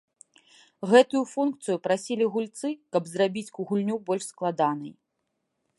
Гэтую функцыю прасілі гульцы, каб зрабіць гульню больш складанай.